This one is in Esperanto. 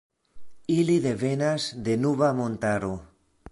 Ili devenas de la Nuba-montaro.